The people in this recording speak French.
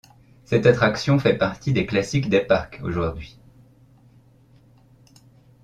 Cette attraction fait partie des classiques des parcs aujourd'hui.